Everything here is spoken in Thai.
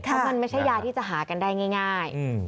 เพราะมันไม่ใช่ยาที่จะหากันได้ง่าย